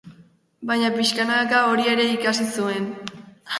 Baina pixkanaka hori ere ikasi zuen.